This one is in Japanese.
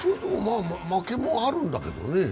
負けもあるんだけどね。